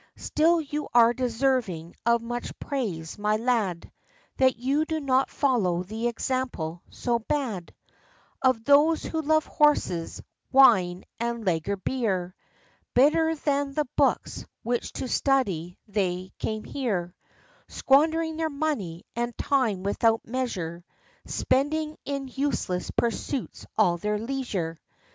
Still you are deserving of much praise, my lad, That you do not follow the example, so bad, Of those who love horses, wine, and lager beer, Better than the books which to study they came here, Squandering their money and time without measure, Spending in useless pursuits all their leisure.